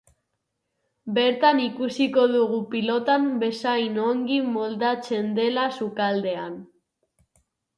Bertan ikusiko dugu pilotan bezain ongi moldatzen dela sukaldean.